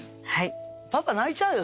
パパ泣いちゃうよ